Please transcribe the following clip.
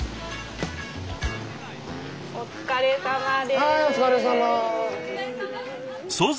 お疲れさまです。